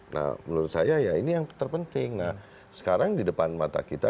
nah menurut saya ya ini yang terpenting nah sekarang di depan mata kita